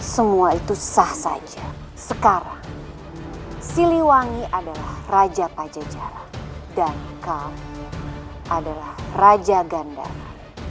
semua itu sah saja sekarang siliwangi adalah raja pajajar dan kami adalah raja gandara